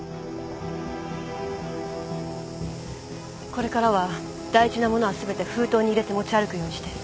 これからは大事なものは全て封筒に入れて持ち歩くようにして。